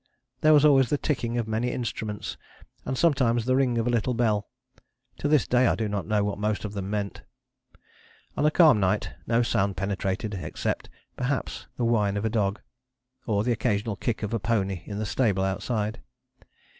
There was always the ticking of many instruments, and sometimes the ring of a little bell: to this day I do not know what most of them meant. On a calm night no sound penetrated except, perhaps, the whine of a dog, or the occasional kick of a pony in the stable outside.